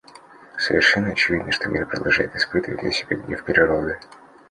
Совершенно очевидно, что мир продолжает испытывать на себе гнев природы.